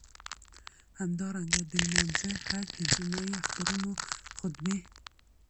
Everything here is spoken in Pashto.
همدارنګه د لمانځه، حج، د جمعی، اخترونو خطبی.